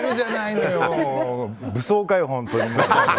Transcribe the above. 武装家よ、本当に。